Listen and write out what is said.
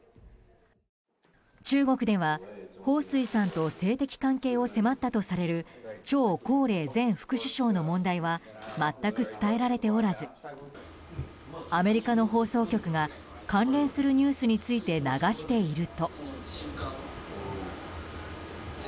中国ではホウ・スイさんと性的関係を迫ったとされるチョウ・コウレイ前副首相の問題は全く伝えられておらずアメリカの放送局が関連するニュースについて流していると。